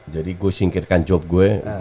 jadi gue singkirkan job gue